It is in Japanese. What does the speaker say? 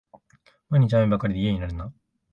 毎日、雨ばかりで嫌になるな